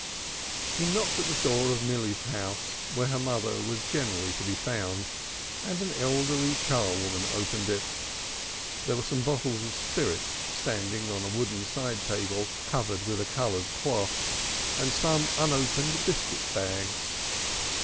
He knocked at the door of Milly's house where her mother was generally to be found, and an elderly char woman opened it. There were some bottles of spirit, standing on a wooden side table covered with a colored cloth, and some unopened biscuit bags.